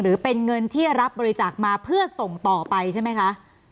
หรือเป็นเงินที่รับบริจาคมาเพื่อส่งต่อไปใช่ไหมคะ